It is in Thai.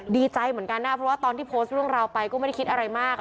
ดีใจเหมือนกันนะเพราะว่าตอนที่โพสต์เรื่องราวไปก็ไม่ได้คิดอะไรมาก